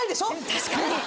確かに。